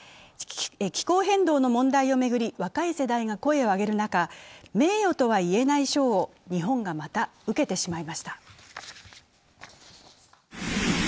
気候変動の問題を巡り若い世代が声を上げる中、名誉とは言えない賞を日本がまた受けてしまいました。